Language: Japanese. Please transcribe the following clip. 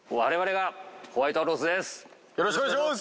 よろしくお願いします。